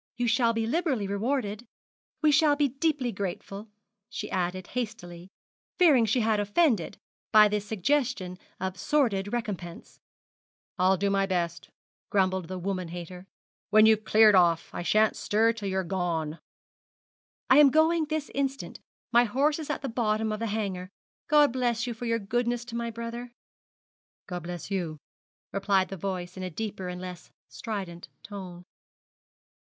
You shall be liberally rewarded. We shall be deeply grateful,' she added hastily, fearing she had offended by this suggestion of sordid recompense. 'I'll do my best,' grumbled the woman hater, 'when you've cleared off. I shan't stir till you're gone.' 'I am going this instant, my horse is at the bottom of the Hanger. God bless you for your goodness to my brother.' 'God bless you,' replied the voice in a deeper and less strident tone.